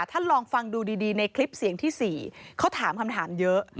ลองฟังดูดีในคลิปเสียงที่๔เขาถามคำถามเยอะ